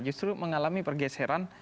justru mengalami pergeseran